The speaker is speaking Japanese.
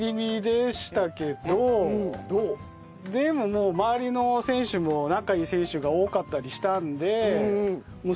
でも周りの選手も仲いい選手が多かったりしたんで。